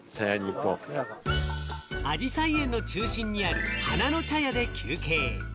あじさい園の中心にある花の茶屋で休憩。